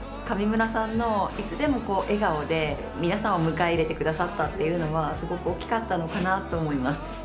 上村さんのいつでも笑顔で皆さんを迎え入れてくださったというのはすごく大きかったのかなと思います。